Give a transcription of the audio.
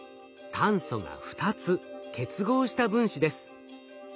炭素が２つ結合した分子です。